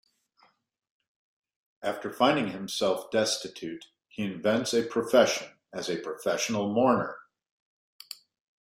After finding himself destitute, he invents a profession as a Professional Mourner.